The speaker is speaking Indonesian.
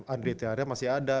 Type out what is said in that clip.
andre tiara masih ada